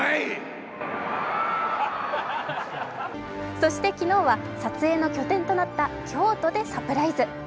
そして昨日は撮影の拠点となった京都でサプライズ。